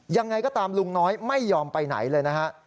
ยังไงก็ตามลุงน้อยไม่ยอมไปไหนเลยนะฮะ